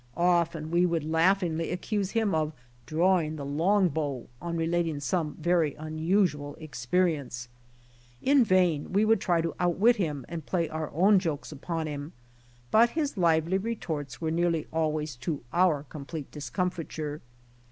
Often we would laughingly accuse him of drawing the long bow, on relating some very unusual experience. In vain we would try to outwit him and play our own jokes upon him, but his lively retorts were nearly always to our complete discomfiture.